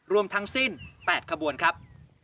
รวมทั้งสิ้น๘ขบวนครับ